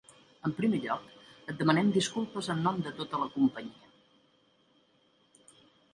En primer lloc, et demanem disculpes en nom de tota la companyia.